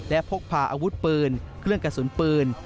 และพกพาอาวุธปืนเครื่องกระสุนปืน